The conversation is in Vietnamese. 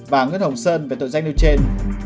và nguyễn hồng sơn về tội danh điều trên